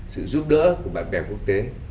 sự giúp đỡ của bạn bè quốc tế